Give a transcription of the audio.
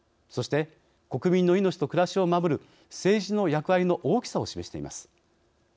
そして国民の命と暮らしを守る政治の役割の大きさを示しています。